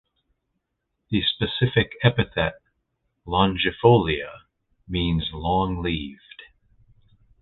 The specific epithet ("longifolia") means "long leaved".